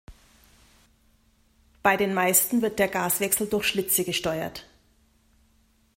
Bei den meisten wird der Gaswechsel durch Schlitze gesteuert.